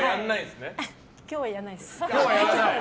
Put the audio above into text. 今日はやらないです。